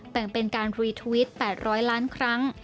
แต่งเป็นการรีทวิต๘๐๐ล้านครั้ง